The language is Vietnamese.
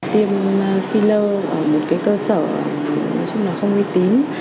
tiêm filler ở một cơ sở không uy tín